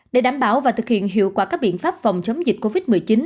để đảm bảo và thực hiện hiệu quả các biện pháp phòng chống dịch covid một mươi chín